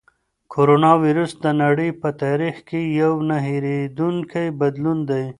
کرونا وېروس د نړۍ په تاریخ کې یو نه هېرېدونکی بدلون دی.